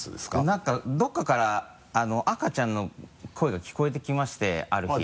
何かどこかから赤ちゃんの声が聞こえてきましてある日。